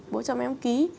bố chồng em ký